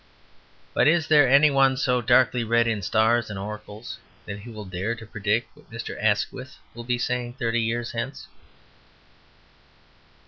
But is there any one so darkly read in stars and oracles that he will dare to predict what Mr. Asquith will be saying thirty years hence?